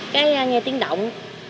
cái nghe tiếng động